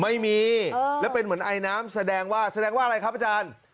ไม่มีแล้วเป็นเหมือนไอน้ำแสดงว่าแสดงว่าอะไรครับอาจารย์